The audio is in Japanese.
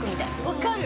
分かる。